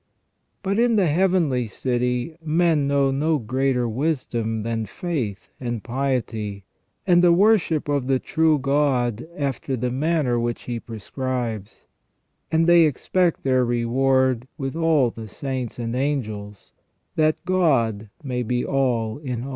But in the heavenly city men know no greater wisdom than faith and piety, and the worship of the true God after the manner which He prescribes ; and they expect their reward with all the saints and angels, that " God may be all in all".